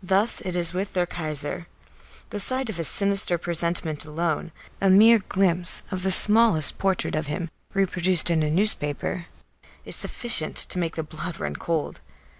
Thus it is with their Kaiser. The sight of his sinister presentment alone, a mere glimpse of the smallest portrait of him reproduced in a newspaper, is sufficient to make the blood run cold.